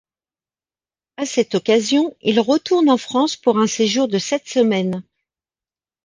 À cette occasion, il retourne en France pour un séjour de sept semaines.